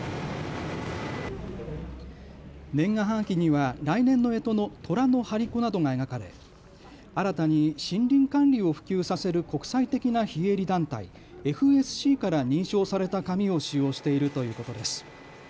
年賀はがきには来年のえとのとらの張り子などが描かれ新たに森林管理を普及させる国際的な非営利団体、ＦＳＣから認証された紙を使用しているということです。